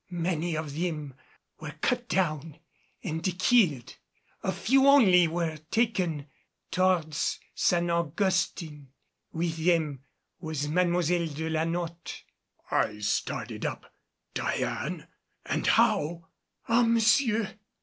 Many of them were cut down and killed. A few only were taken towards San Augustin; with them was Mademoiselle de la Notte." I started up. "Diane and how " "Ah, monsieur!